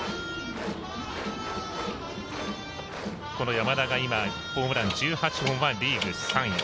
山田がホームラン、今１８本はリーグ３位。